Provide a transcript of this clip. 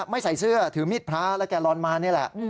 ไม่ใส่เสื้อถือมีดพระแล้วแกลอนมานี่แหละ